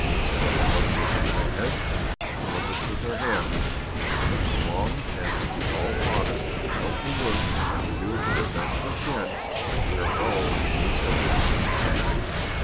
Some of us work with our heads, some with our hands; but so long as it is all honest, helpful work and we do it the best we can, we are all on equal footing, Sandy.